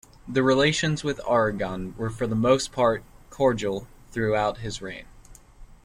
The relations with Aragon were for the most part cordial throughout his reign.